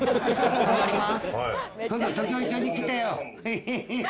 頑張ります。